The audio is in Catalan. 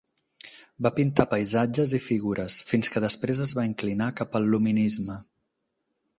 Va pintar paisatges i figures, fins que després es va inclinar cap al luminisme.